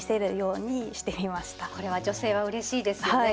これは女性はうれしいですよね。